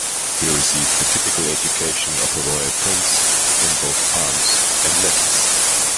He received the typical education of a royal prince in both arms and letters.